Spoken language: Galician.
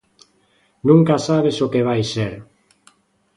Nunca sabes o que vai ser.